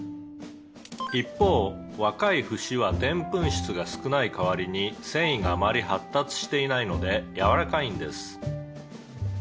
「一方若い節はデンプン質が少ない代わりに繊維があまり発達していないのでやわらかいんです」